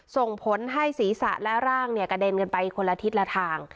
ส่งผลให้ศีรษะและร่างกระเด็นกันไปคนละทิศละทาง